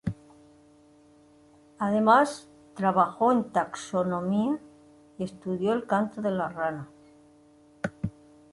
Además trabajó en taxonomía, y estudió el canto de ranas.